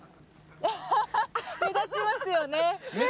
目立ちますよね。